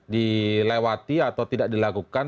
dilewati atau tidak dilakukan